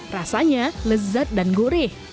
rasanya lezat dan goreh